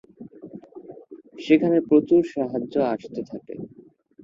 সেখানে প্রচুর সাহায্য আসতে থাকে।